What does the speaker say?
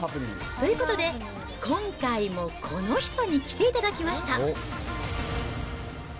ということで、今回もこの人に来ていただきました。